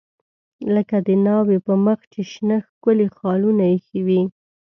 لکه د ناوې په مخ چې شنه ښکلي خالونه ایښي وي.